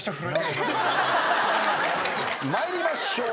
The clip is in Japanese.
参りましょう。